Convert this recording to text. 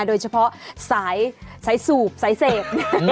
โดยเฉพาะสายสูบสายเสพ